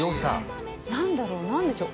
優しい何だろう何でしょう